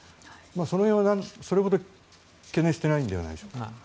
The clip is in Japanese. その辺はそれほど懸念してはいないのではないでしょうか。